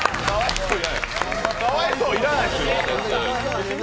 かわいそう、要らないですよ。